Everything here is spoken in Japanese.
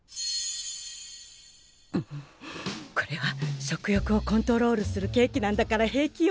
んこれは食欲をコントロールするケーキなんだから平気よ。